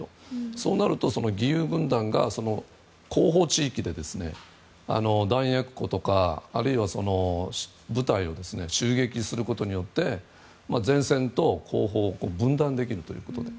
そうなると、義勇軍団が後方地域で弾薬庫とか、あるいは部隊を襲撃することによって前線と後方を分断できるということで。